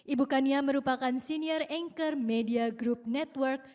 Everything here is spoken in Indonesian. ibu kania merupakan senior anchor media group network